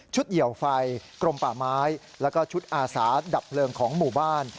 ชุดเหี่ยวไฟกลมป่าไม้แล้วก็ชุดอาศาสตร์ดับเปลืองของหมู่บ้าน